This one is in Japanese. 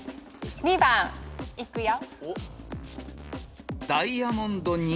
２番いくよ。